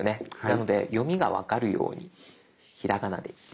なので読みが分かるようにひらがなで。